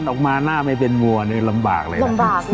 คงเขามาหน้าไม่เป็นวัวเลยลำบากเลย